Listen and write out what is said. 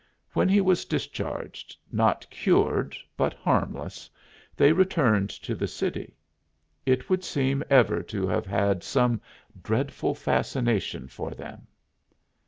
When he was discharged, not cured but harmless, they returned to the city; it would seem ever to have had some dreadful fascination for them.